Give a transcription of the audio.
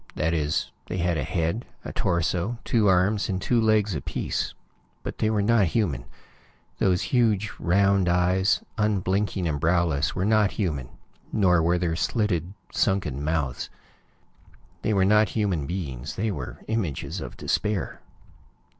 That is, they had a head, a torso, two arms and two legs apiece. But they were not human. Those huge round eyes, unblinking and browless, were not human, nor were their slitted, sunken mouths. They were not human beings; they were images of despair.